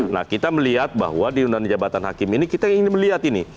nah kita melihat bahwa di undang undang jabatan hakim ini kita ingin melihat ini